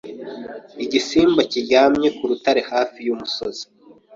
Igisimba kiryamye ku rutare hafi y’umusozi.